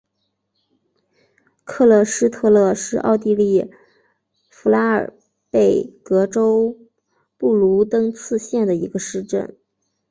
克勒施特勒是奥地利福拉尔贝格州布卢登茨县的一个市镇。